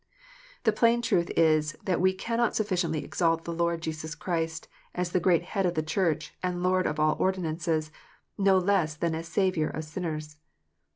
The plain truth is that we cannot sufficiently exalt the Lord Jesus Christ as the great Head of the Church, and Lord of all ordinances, no less than as the Saviour of sinners.